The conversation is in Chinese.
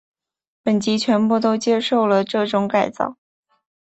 本级全部都接受了这种改造。